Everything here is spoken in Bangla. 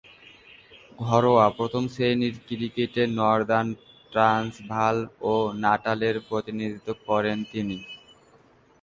ঘরোয়া প্রথম-শ্রেণীর ক্রিকেটে নর্দার্ন ট্রান্সভাল ও নাটালের প্রতিনিধিত্ব করেছেন তিনি।